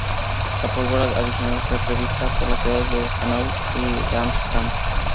La pólvora adicional fue provista por las ciudades de Hanau y Darmstadt.